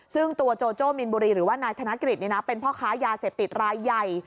ซึ่งตัวโจโจ้มีนบุรีหรือว่านายธนกฤษเป็นพ่อค้ายาเสพติดรายใหญ่